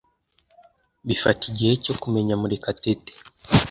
Bifata igihe cyo kumenya Murekatete.